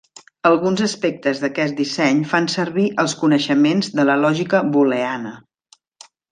Alguns aspectes d'aquest disseny fan servir els coneixements de la lògica booleana.